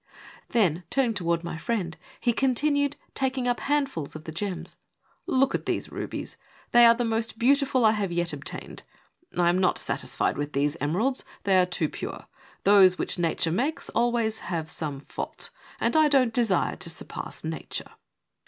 Then, turning towards my friend, he continued, taking np handfuls of the gems: "Look at these rubies. They are the most beautiful I have yet obtained. I am not satisfied with these emeralds — they are too pure. Those which nature makes always have some fault, and I don't desire to sur pass nature.